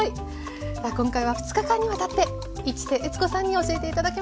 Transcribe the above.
さあ今回は２日間にわたって市瀬悦子さんに教えて頂きました。